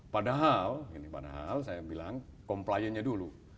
padahal padahal saya bilang compliannya dulu